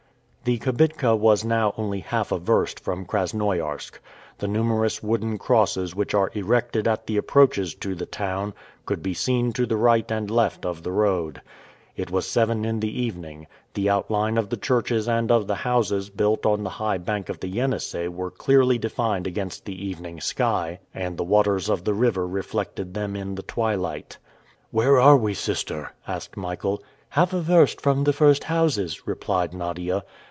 The kibitka was now only half a verst from Krasnoiarsk. The numerous wooden crosses which are erected at the approaches to the town, could be seen to the right and left of the road. It was seven in the evening; the outline of the churches and of the houses built on the high bank of the Yenisei were clearly defined against the evening sky, and the waters of the river reflected them in the twilight. "Where are we, sister?" asked Michael. "Half a verst from the first houses," replied Nadia.